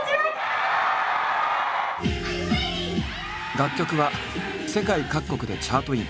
楽曲は世界各国でチャートイン。